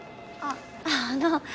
あっあのう。